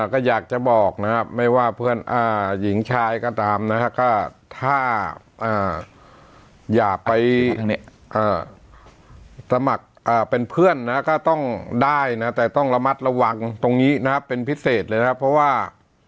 ก็อยากจะบอกนะครับไม่ว่าเพื่อนหญิงชายก็ตามนะฮะก็ถ้าอยากไปสมัครเป็นเพื่อนนะก็ต้องได้นะแต่ต้องระมัดระวังตรงนี้นะเป็นพิเศษเลยนะครับเพราะว่า